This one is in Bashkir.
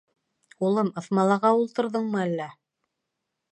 — Улым, ыҫмалаға ултырҙыңмы әллә?